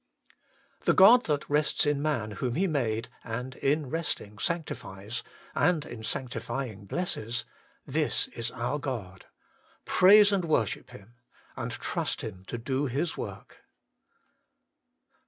4. The God that rests in man whom He made, and in resting sanctifies, and in sanctifying blesses : this is our God ; praise and worship Him. And trust Him to do His work.